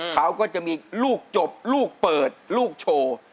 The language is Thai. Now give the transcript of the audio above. เขาก็จะมีลูกจบลูกเปิดลูกโชว์